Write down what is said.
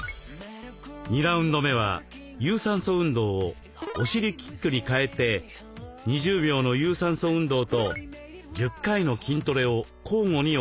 ２ラウンド目は有酸素運動をお尻キックに変えて２０秒の有酸素運動と１０回の筋トレを交互に行いました。